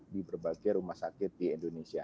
di berbagai rumah sakit di indonesia